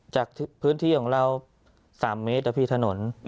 จากพื้นที่ของเราสามเมตรที่ถนน